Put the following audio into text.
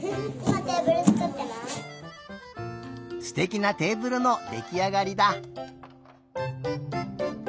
すてきなテーブルのできあがりだ。